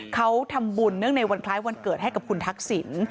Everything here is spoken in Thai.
เขาทำบุญเนื่องในวันคล้ายวันเกิดให้กับคุณทักษิณ